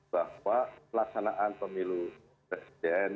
bahwa pelaksanaan pemilu presiden